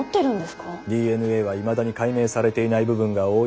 ＤＮＡはいまだに解明されていない部分が多い。